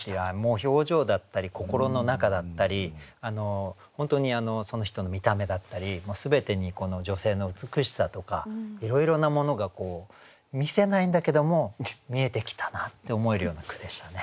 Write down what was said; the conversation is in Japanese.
表情だったり心の中だったり本当にその人の見た目だったり全てにこの女性の美しさとかいろいろなものが見せないんだけども見えてきたなって思えるような句でしたね。